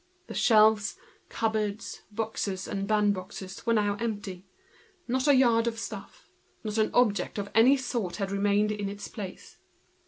The shelves, cupboards, boxes, and band boxes, were now empty: not a yard of stuff, not an object of any sort had remained in its place.